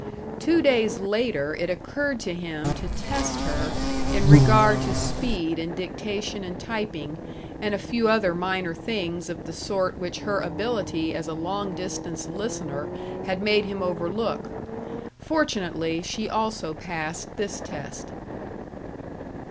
Two days later it occurred to him to test her in regard to speed in dictation and typing, and a few other minor things of the sort which her ability as a long distance listener had made him overlook. Fortunately, she also passed this test.